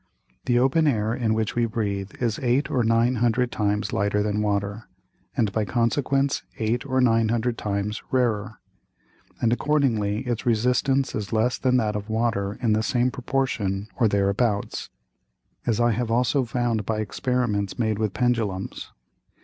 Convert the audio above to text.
The open Air in which we breathe is eight or nine hundred times lighter than Water, and by consequence eight or nine hundred times rarer, and accordingly its Resistance is less than that of Water in the same Proportion, or thereabouts; as I have also found by Experiments made with Pendulums.